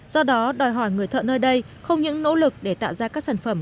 do đó đòi hỏi người thợ nơi đây không những nỗ lực để tạo ra các sản phẩm